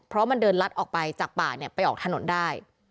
เพราะมันเดินลัดออกไปจากป่าเนี่ยไปออกถนนได้